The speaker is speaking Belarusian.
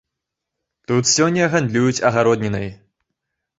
Тут сёння гандлююць агароднінай.